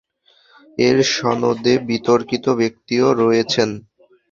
এর সনদে বিতর্কিত ব্যক্তিও রয়েছেন।